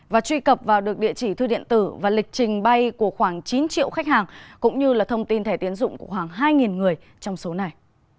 và truy cập vào được địa chỉ thư điện tử và lịch trình bay của khoảng chín triệu khách hàng cũng như là thông tin thẻ tiến dụng của khoảng hai người trong số này